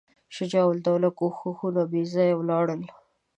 شجاع الدوله کوښښونه بېځایه ولاړل.